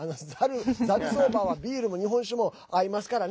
ざるソーバーはビールも日本酒も合いますからね。